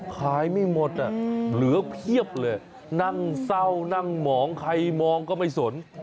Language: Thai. ไม่หมดเหลือเพียบเลยนั่งเศร้านั่งหมองใครมองก็ไม่สน